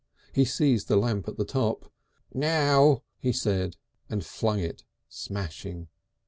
He seized the lamp at the top. "Now!" he said and flung it smashing.